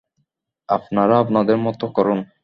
আপনারা আপনাদের মত করুন।